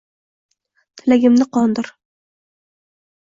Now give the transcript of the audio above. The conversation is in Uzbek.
Tilagimni qondir